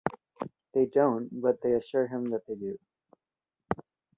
They don't, but they assure him that they do.